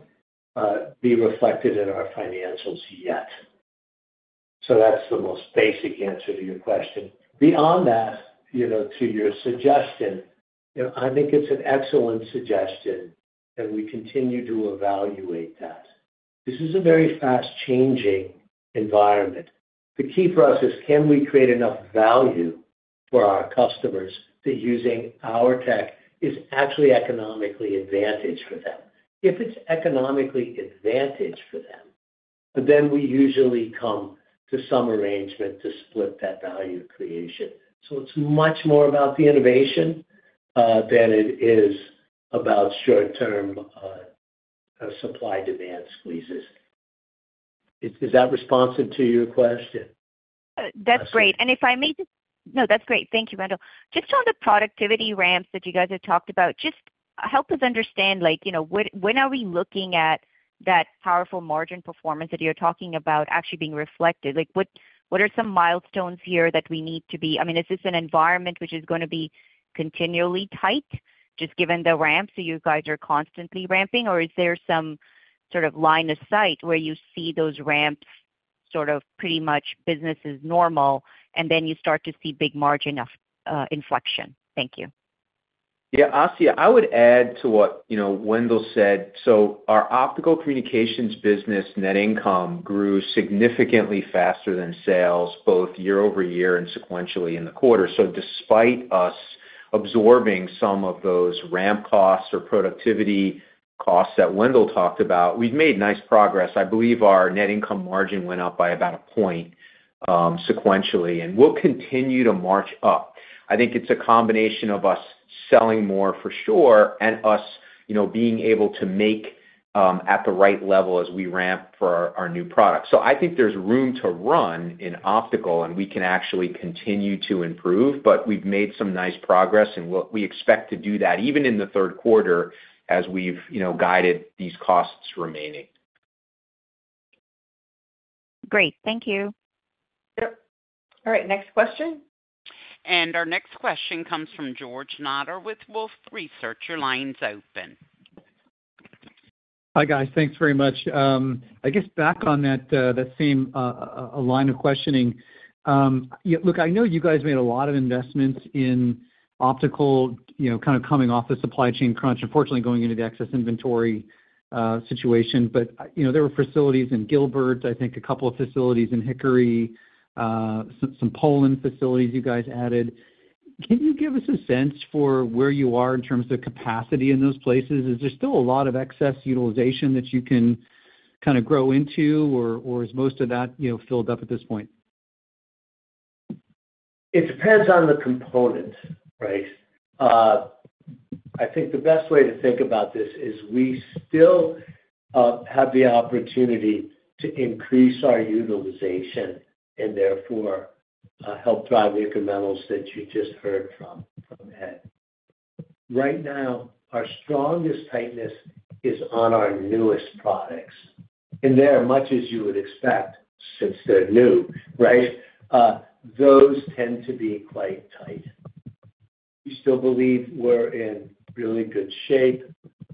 be reflected in our financials yet. That's the most basic answer to your question. Beyond that, to your suggestion, I think it's an excellent suggestion, and we continue to evaluate that. This is a very fast-changing environment. The key for us is, can we create enough value for our customers that using our tech is actually economically advantageous for them? If it's economically advantageous for them, then we usually come to some arrangement to split that value creation. It's much more about the innovation than it is about short-term supply-demand squeezes. Is that responsive to your question? That's great. If I may just—no, that's great. Thank you, Wendell. Just on the productivity ramps that you guys have talked about, just help us understand. When are we looking at that powerful margin performance that you're talking about actually being reflected? What are some milestones here that we need to be—I mean, is this an environment which is going to be continually tight, just given the ramps that you guys are constantly ramping? Or is there some sort of line of sight where you see those ramps sort of pretty much business as normal, and then you start to see big margin inflection? Thank you. Yeah. I would add to what Wendell said. Our optical communications business net income grew significantly faster than sales, both year-over-year and sequentially in the quarter. Despite us absorbing some of those ramp costs or productivity costs that Wendell talked about, we've made nice progress. I believe our net income margin went up by about a point sequentially, and we'll continue to march up. I think it's a combination of us selling more for sure and us being able to make at the right level as we ramp for our new product. I think there's room to run in optical, and we can actually continue to improve, but we've made some nice progress, and we expect to do that even in the third quarter as we've guided these costs remaining. Great. Thank you. All right. Next question. Our next question comes from George Notter with Wolfe Research. Your line's open. Hi, guys. Thanks very much. I guess back on that same line of questioning. Look, I know you guys made a lot of investments in optical kind of coming off the supply chain crunch, unfortunately going into the excess inventory situation. There were facilities in Gilbert, I think a couple of facilities in Hickory, some Poland facilities you guys added. Can you give us a sense for where you are in terms of capacity in those places? Is there still a lot of excess utilization that you can kind of grow into, or is most of that filled up at this point? It depends on the component, right? I think the best way to think about this is we still have the opportunity to increase our utilization and therefore help drive the incrementals that you just heard from Ed. Right now, our strongest tightness is on our newest products, and they're much as you would expect since they're new, right? Those tend to be quite tight. We still believe we're in really good shape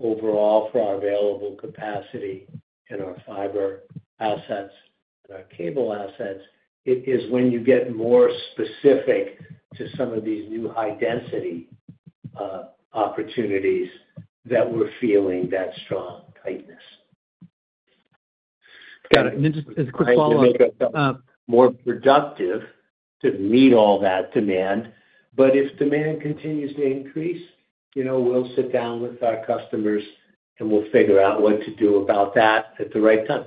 overall for our available capacity and our fiber assets and our cable assets. It is when you get more specific to some of these new high-density opportunities that we're feeling that strong tightness. Got it. And then just as a quick follow-up. More productive to meet all that demand. If demand continues to increase, we'll sit down with our customers and we'll figure out what to do about that at the right time.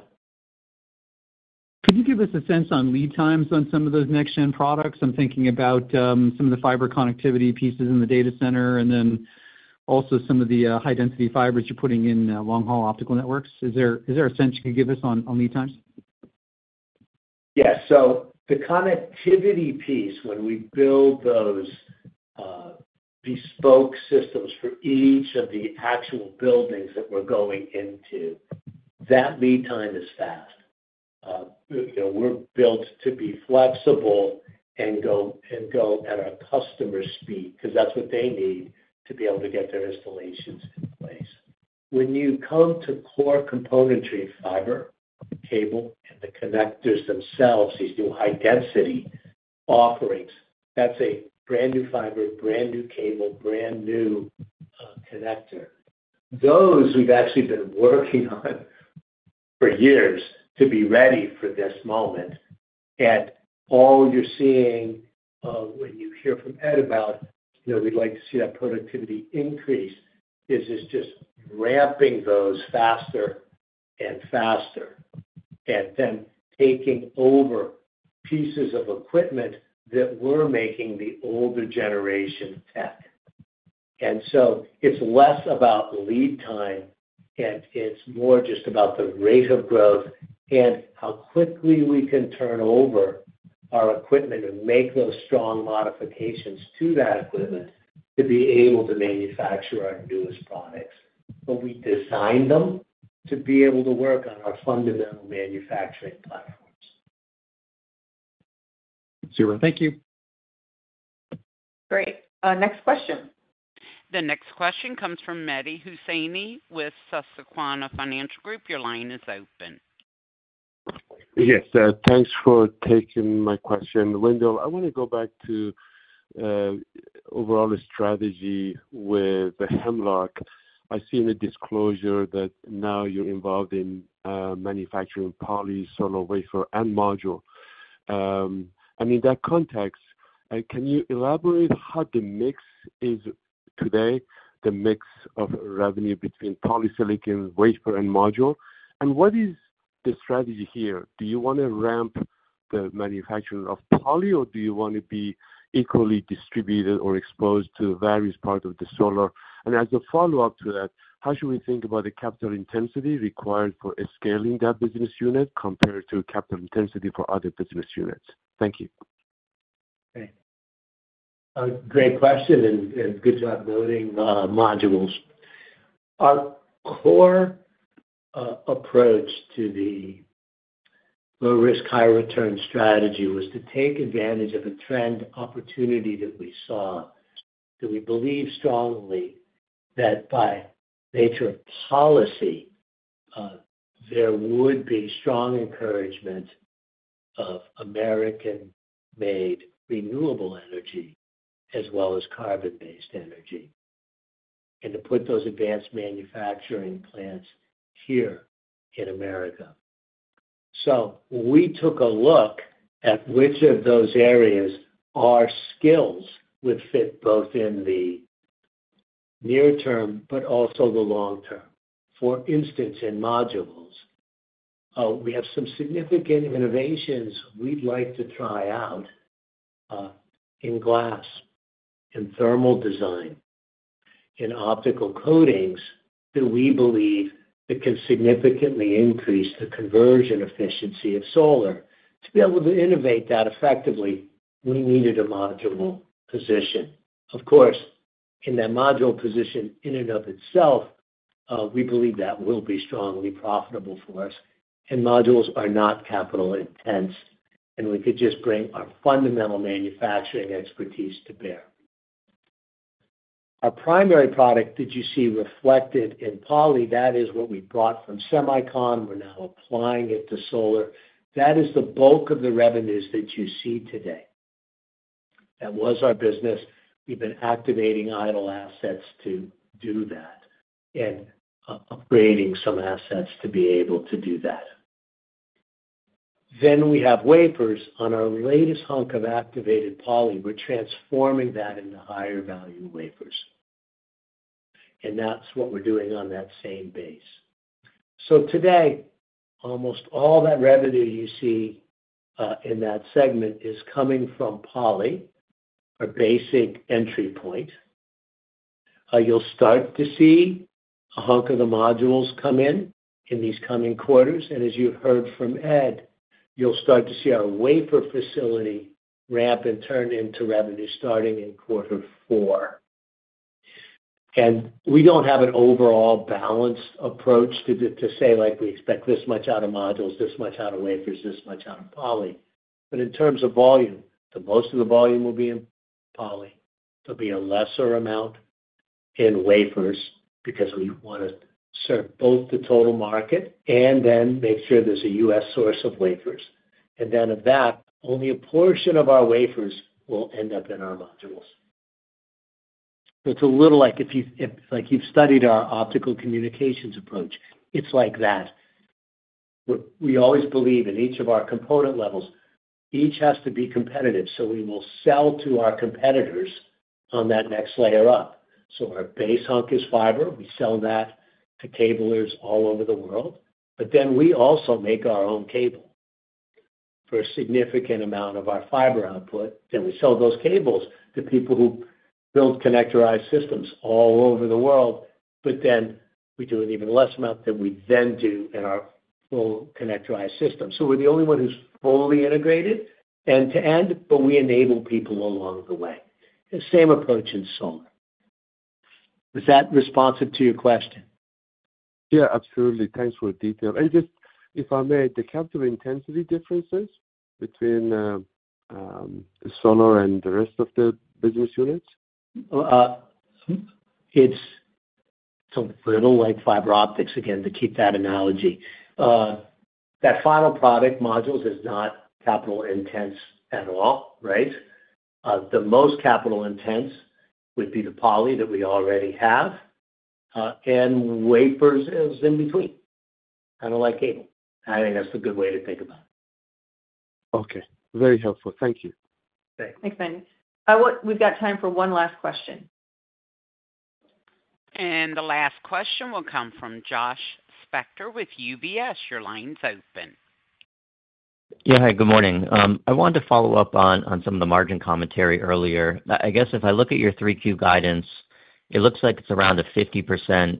Could you give us a sense on lead times on some of those next-gen products? I'm thinking about some of the fiber connectivity pieces in the data center and then also some of the high-density fibers you're putting in long-haul optical networks. Is there a sense you can give us on lead times? Yes. So the connectivity piece, when we build those bespoke systems for each of the actual buildings that we're going into, that lead time is fast. We're built to be flexible and go at our customer's speed because that's what they need to be able to get their installations in place. When you come to core componentry fiber, cable, and the connectors themselves, these new high-density offerings, that's a brand new fiber, brand new cable, brand new connector. Those we've actually been working on for years to be ready for this moment. All you're seeing when you hear from Ed about we'd like to see that productivity increase is it's just ramping those faster and faster, and then taking over pieces of equipment that we're making the older generation tech. It's less about lead time, and it's more just about the rate of growth and how quickly we can turn over our equipment and make those strong modifications to that equipment to be able to manufacture our newest products. We designed them to be able to work on our fundamental manufacturing platforms. Super. Thank you. Great. Next question. The next question comes from Mehdi Hosseini with Susquehanna Financial Group. Your line is open. Yes. Thanks for taking my question. Wendell, I want to go back to overall the strategy with Hemlock. I see in the disclosure that now you're involved in manufacturing poly, solar, wafer, and module. In that context, can you elaborate how the mix is today, the mix of revenue between polysilicon, wafer, and module? What is the strategy here? Do you want to ramp the manufacturing of poly, or do you want to be equally distributed or exposed to various parts of the solar? As a follow-up to that, how should we think about the capital intensity required for scaling that business unit compared to capital intensity for other business units? Thank you. Okay. Great question and good job noting modules. Our core approach to the low-risk, high-return strategy was to take advantage of the trend opportunity that we saw. We believe strongly that by nature of policy, there would be strong encouragement of American-made renewable energy as well as carbon-based energy, and to put those advanced manufacturing plants here in America. We took a look at which of those areas our skills would fit both in the near-term but also the long-term. For instance, in modules, we have some significant innovations we'd like to try out. In glass, in thermal design, in optical coatings that we believe can significantly increase the conversion efficiency of solar. To be able to innovate that effectively, we needed a module position. Of course, in that module position in and of itself, we believe that will be strongly profitable for us. Modules are not capital-intense, and we could just bring our fundamental manufacturing expertise to bear. Our primary product that you see reflected in poly, that is what we brought from semicon. We're now applying it to solar. That is the bulk of the revenues that you see today. That was our business. We've been activating idle assets to do that and upgrading some assets to be able to do that. We have wafers on our latest hunk of activated poly. We're transforming that into higher-value wafers, and that's what we're doing on that same base. Today, almost all that revenue you see in that segment is coming from poly, our basic entry point. You'll start to see a hunk of the modules come in in these coming quarters. As you've heard from Ed, you'll start to see our wafer facility ramp and turn into revenue starting in quarter four. We don't have an overall balanced approach to say, "We expect this much out of modules, this much out of wafers, this much out of poly." In terms of volume, most of the volume will be in poly. There'll be a lesser amount in wafers because we want to serve both the total market and then make sure there's a U.S. source of wafers. Of that, only a portion of our wafers will end up in our modules. It's a little like if you've studied our optical communications approach. It's like that. We always believe in each of our component levels, each has to be competitive. We will sell to our competitors on that next layer up. Our base hunk is fiber. We sell that to cablers all over the world, but then we also make our own cable for a significant amount of our fiber output. We sell those cables to people who build connectorized systems all over the world, but then we do an even lesser amount than we then do in our full connectorized system. We're the only one who's fully integrated end to end, but we enable people along the way. The same approach in solar. Was that responsive to your question? Yeah, absolutely. Thanks for the detail. And just if I may, the capital intensity differences between solar and the rest of the business units? It's a little like fiber optics, again, to keep that analogy. That final product, modules, is not capital-intense at all, right? The most capital-intense would be the poly that we already have. And wafers is in between, kind of like cable. I think that's a good way to think about it. Okay. Very helpful. Thank you. Thanks. Thanks, Wendell. We've got time for one last question. And the last question will come from Josh Spector with UBS. Your line's open. Yeah. Hi. Good morning. I wanted to follow up on some of the margin commentary earlier. I guess if I look at your 3Q guidance, it looks like it's around a 50%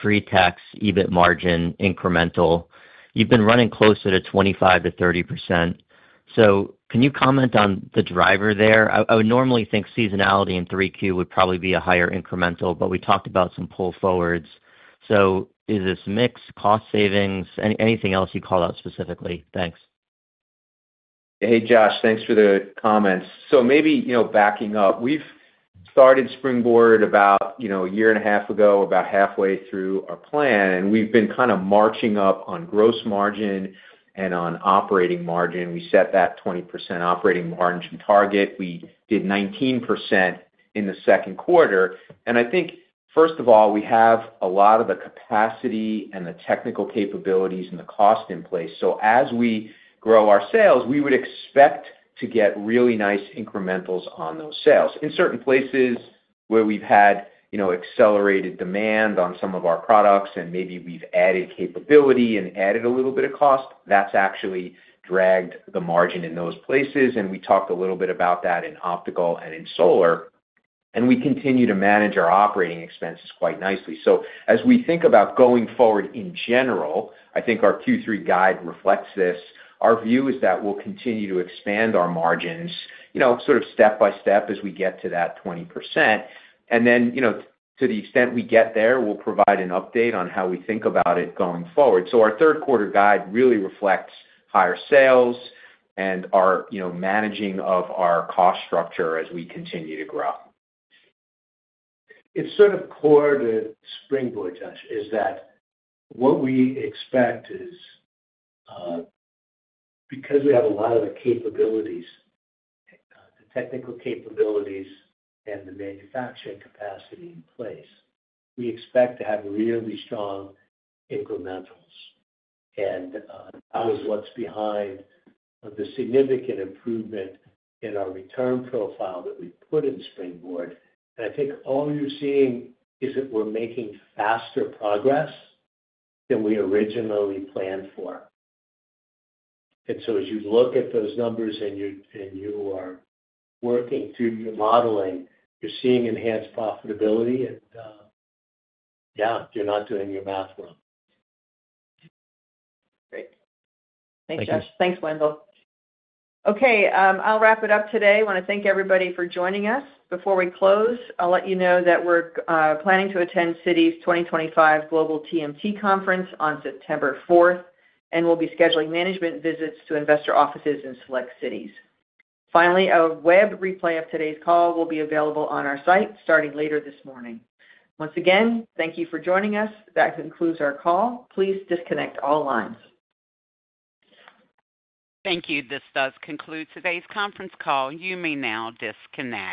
pre-tax EBIT margin, incremental. You've been running closer to 25%-30%. So can you comment on the driver there? I would normally think seasonality in 3Q would probably be a higher incremental, but we talked about some pull forwards. So is this mix, cost savings, anything else you call out specifically? Thanks. Hey, Josh. Thanks for the comments. So maybe backing up, we've started Springboard about a year and a half ago, about halfway through our plan. And we've been kind of marching up on gross margin and on operating margin. We set that 20% operating margin target. We did 19% in the second quarter. I think, first of all, we have a lot of the capacity and the technical capabilities and the cost in place. As we grow our sales, we would expect to get really nice incrementals on those sales. In certain places where we've had accelerated demand on some of our products and maybe we've added capability and added a little bit of cost, that's actually dragged the margin in those places. We talked a little bit about that in optical and in solar. We continue to manage our operating expenses quite nicely. As we think about going forward in general, I think our Q3 guide reflects this. Our view is that we'll continue to expand our margins sort of step by step as we get to that 20%. To the extent we get there, we'll provide an update on how we think about it going forward. Our third-quarter guide really reflects higher sales and our managing of our cost structure as we continue to grow. It's sort of core to Springboard, Josh, is that what we expect is. Because we have a lot of the technical capabilities and the manufacturing capacity in place, we expect to have really strong incrementals. That was what's behind the significant improvement in our return profile that we put in Springboard. I think all you're seeing is that we're making faster progress than we originally planned for. As you look at those numbers and you are working through your modeling, you're seeing enhanced profitability. Yeah, you're not doing your math wrong. Great. Thanks, Josh. Thanks, Wendell. Okay. I'll wrap it up today. I want to thank everybody for joining us. Before we close, I'll let you know that we're planning to attend Citi's 2025 Global TMT Conference on September 4th, and we'll be scheduling management visits to investor offices in select cities. Finally, a web replay of today's call will be available on our site starting later this morning. Once again, thank you for joining us. That concludes our call. Please disconnect all lines. Thank you. This does conclude today's conference call. You may now disconnect.